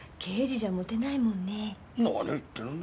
何を言ってるんだ。